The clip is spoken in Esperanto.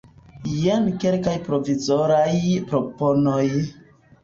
Jen kelkaj provizoraj proponoj.